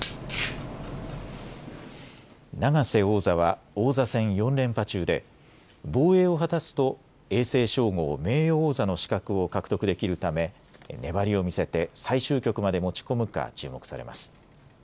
永瀬王座は王座戦４連覇中で防衛を果たすと永世称号名誉王座の資格を獲得できるため粘りを見せて最終局まで持ち込むか注目されます。